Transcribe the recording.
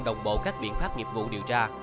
đồng bộ các biện pháp nghiệp vụ điều tra